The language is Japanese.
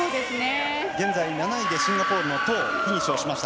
現在７位でシンガポールのトーがフィニッシュしました。